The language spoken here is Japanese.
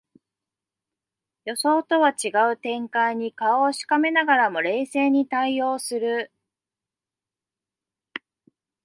予想とは違う展開に顔をしかめながらも冷静に対応する